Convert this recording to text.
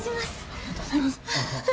ありがとうございます。